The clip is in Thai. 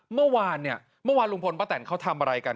เมื่อวานเนี่ยเมื่อวานลุงพลป้าแตนเขาทำอะไรกัน